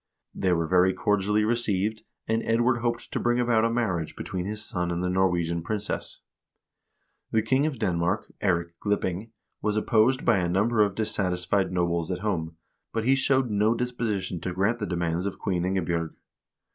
They were very cordially received, and Edward hoped to bring about a marriage between his son and the Norwegian princess. The king of Denmark, Eirik dipping, was opposed by a number of dissatisfied nobles at home, but he showed no disposition to grant the demands of Queen IngebJ0rg.